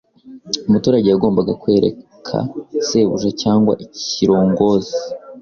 umuturage yagombaga kwereka sushefu cyangwa ikirongozi